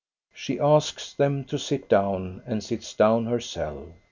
She asks them to sit down, and sits down herself.